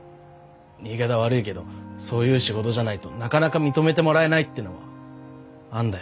言い方悪いけどそういう仕事じゃないとなかなか認めてもらえないっていうのはあんだよ。